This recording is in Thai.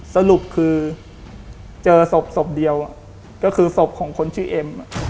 สรุปคือเจอศพศพเดียวก็คือศพของคนชื่อเอ็ม